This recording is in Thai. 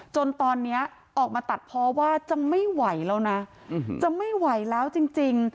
จนตอนนี้ออกมาตัดเพราะว่าจะไม่ไหวแล้วนะจะไม่ไหวแล้วจริง